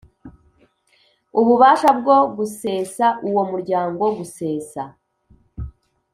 Ububasha Bwo Gusesa Uwo Muryango Gusesa